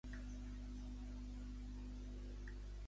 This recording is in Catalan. Els arrestats acumulen menys de quaranta antecedents policials.